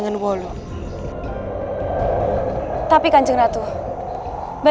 ngecut kamu neng ula